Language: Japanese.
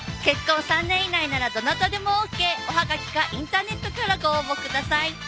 結婚３年以内ならどなたでもＯＫおはがきかインターネットからご応募ください